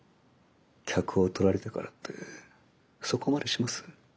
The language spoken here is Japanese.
客を取られたからってそこまでします？